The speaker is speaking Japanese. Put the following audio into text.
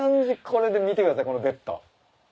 これで見てくださいこのベッド。